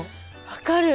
分かる！